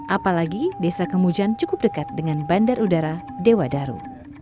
apalagi desa kemujan cukup dekat dengan bandar udara dewadaru